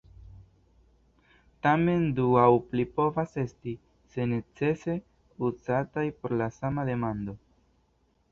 Tamen, du aŭ pli povas esti, se necese, uzataj por la sama demando.